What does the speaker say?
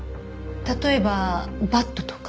例えばバットとか？